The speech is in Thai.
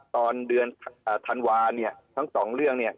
ตอนเดือนธันวาเนี่ยทั้งสองเรื่องเนี่ย